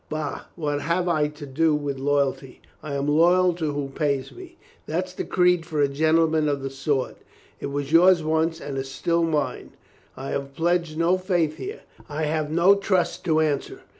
Bah, what have I to do with loyalty? I am loyal to who pays me. That's the creed for a gentleman of the sword. It was yours once and is still mine. I have pledged no faith here. I have no trust to answer.